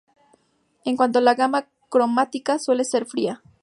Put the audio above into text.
En cuanto a la gama cromática suele ser fría.